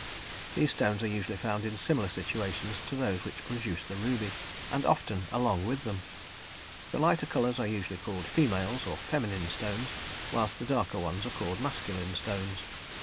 These stones are usually found in similar situations to those which produce the ruby, and often along with them. The lighter colours are usually called females, or feminine stones, whilst the darker ones are called masculine stones.